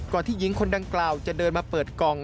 ที่หญิงคนดังกล่าวจะเดินมาเปิดกล่อง